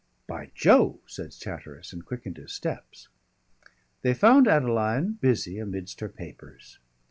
"By Jove!" said Chatteris, and quickened his steps. They found Adeline busy amidst her papers.